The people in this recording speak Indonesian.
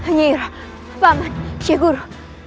nyira paman syeguru